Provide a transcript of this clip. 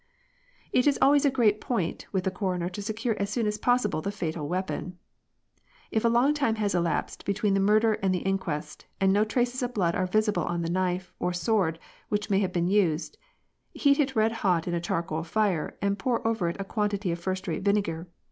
It is always a great point with the coroner to secure as soon as possible the fatal weapon. If a long time has elapsed between the murder and the inquest, and no traces of blood are visible on the knife or sword which may have been used, "heat it red hot in a charcoal fire, and pour over it a quantity of first rate vinegar.